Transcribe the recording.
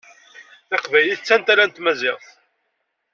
Taqbaylit d tantala n tmaziɣt.